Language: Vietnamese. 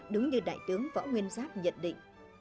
đúng như đại tướng võ nguyên giáp nhận định